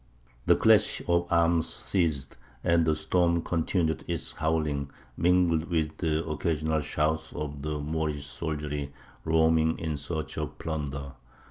The clash of arms ceased, and the storm continued its howling, mingled with the occasional shout of the Moorish soldiery roaming in search of plunder.